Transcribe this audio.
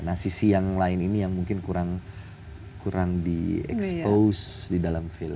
nah sisi yang lain ini yang mungkin kurang di expose di dalam film